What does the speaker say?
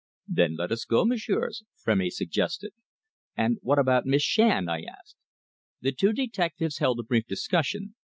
"Then let us go, messieurs," Frémy suggested. "And what about Miss Shand?" I asked. The two detectives held a brief discussion.